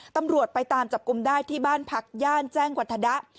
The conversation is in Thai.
ตำรวจไปตามจับกลุ่มได้ที่บ้านพักย่านแจ้งวัฒนะ